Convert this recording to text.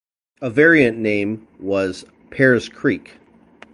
A variant name was "Pears Creek".